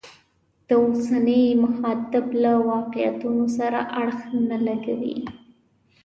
د اوسني مخاطب له واقعیتونو سره اړخ نه لګوي.